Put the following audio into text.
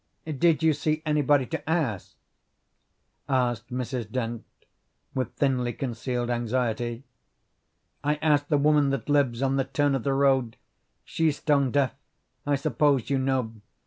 "Did you see anybody to ask?" asked Mrs. Dent with thinly concealed anxiety. "I asked the woman that lives on the turn of the road. She's stone deaf. I suppose you know.